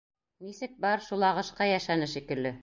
Нисек бар, шул ағышҡа йәшәне шикелле.